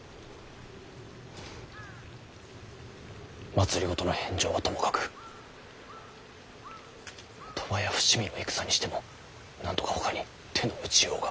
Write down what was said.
政の返上はともかく鳥羽や伏見の戦にしてもなんとかほかに手の打ちようが。